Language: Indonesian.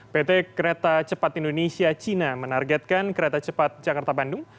pt kereta cepat indonesia cina menargetkan kereta cepat jakarta bandung